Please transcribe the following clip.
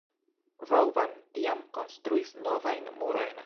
Vauban tiam konstruis novajn murojn.